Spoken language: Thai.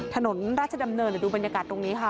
ถนนราชดำเนินเดี๋ยวดูบรรยากาศตรงนี้ค่ะ